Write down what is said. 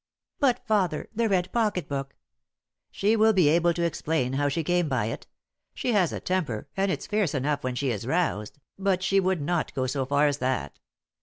"But, father, the red pocket book " "She will be able to explain how she came by it. She has a temper, and is fierce enough when she is roused; but she would not go so far as that.